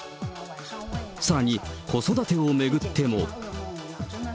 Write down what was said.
さらに、子育てを巡っても。